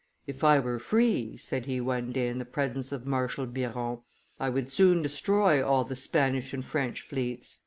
"If I were free," said he one day in the presence of Marshal Biron, "I would soon destroy all the Spanish and French fleets."